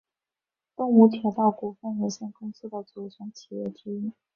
东武铁道股份有限公司的组成企业之一。